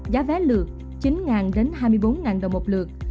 giá vé lượt chín đến hai mươi bốn đồng một lượt